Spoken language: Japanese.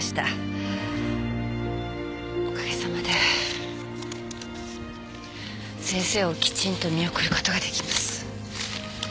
おかげさまで先生をきちんと見送ることができます。